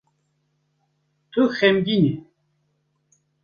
Tu xemgîn î.